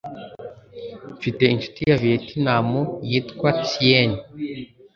Mfite inshuti ya Vietnam. Yitwa Tiên.